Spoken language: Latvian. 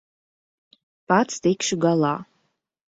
Pats tikšu galā.